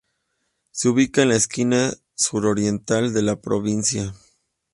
Se ubica en la esquina suroriental de la provincia.